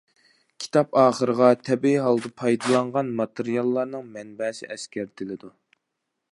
كىتاب ئاخىرىغا تەبىئىي ھالدا پايدىلانغان ماتېرىياللارنىڭ مەنبەسى ئەسكەرتىلىدۇ.